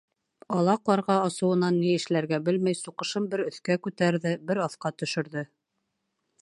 Ала ҡарға асыуынан ни эшләргә белмәй, суҡышын бер өҫкә күтәрҙе, бер аҫҡа төшөрҙө.